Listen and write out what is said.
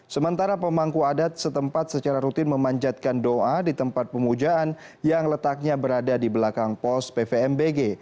sementara pemangku adat setempat secara rutin memanjatkan doa di tempat pemujaan yang letaknya berada di belakang pos pvmbg